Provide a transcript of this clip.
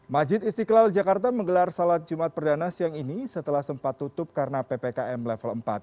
majid istiqlal jakarta menggelar salat jumat perdana siang ini setelah sempat tutup karena ppkm level empat